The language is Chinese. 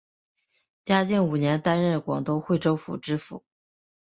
嘉靖五年担任广东惠州府知府。